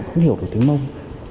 không hiểu được tiếng mông